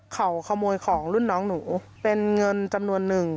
เขาขโมยของรุ่นน้องหนูเป็นเงินจำนวนหนึ่ง